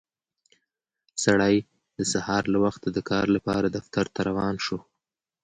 سړی د سهار له وخته د کار لپاره دفتر ته روان شو